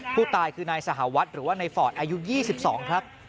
ผู้ตายคือนายสหวัดหรือว่าในฟอร์ดอายุ๒๒ครับ